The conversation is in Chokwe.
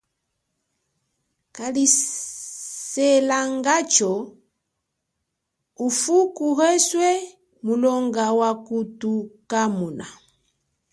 Kaliselangacho ufuku weswe mulonga wakuthukamo.